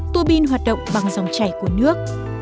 tua biên hoạt động bằng dòng chảy của nước